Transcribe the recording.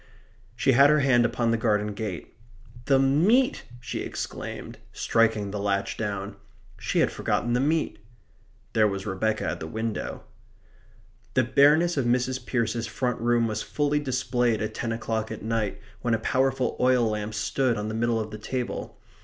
She had her hand upon the garden gate. "The meat!" she exclaimed, striking the latch down. She had forgotten the meat. There was Rebecca at the window. The bareness of Mrs. Pearce's front room was fully displayed at ten o'clock at night when a powerful oil lamp stood on the middle of the table.